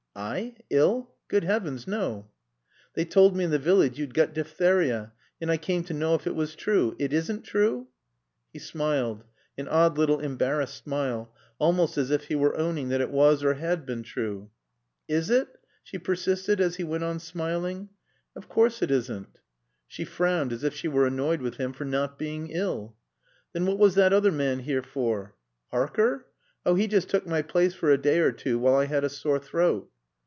"I? Ill? Good heavens, no!" "They told me in the village you'd got diphtheria. And I came to know if it was true. It isn't true?" He smiled; an odd little embarrassed smile; almost as if he were owning that it was or had been true. "Is it?" she persisted as he went on smiling. "Of course it isn't." She frowned as if she were annoyed with him for not being ill. "Then what was that other man here for?" "Harker? Oh, he just took my place for a day or two while I had a sore throat."